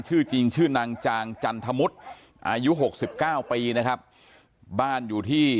ชื่อจริงชื่อนางจางจันทมุทรอายุหกสิบเก้าปีนะครับบ้านอยู่ที่